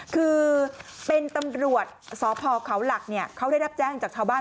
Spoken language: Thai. คือเป็นตำรวจสพเขาหลักเนี่ยเขาได้รับแจ้งจากชาวบ้าน